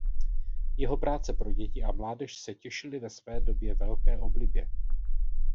Jeho práce pro děti a mládež se těšily ve své době velké oblibě.